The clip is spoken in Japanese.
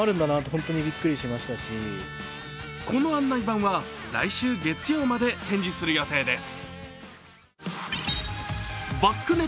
この案内板は来週月曜まで展示する予定です。